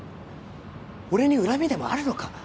俺に恨みでもあるのか？